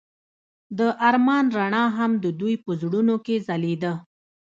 د آرمان رڼا هم د دوی په زړونو کې ځلېده.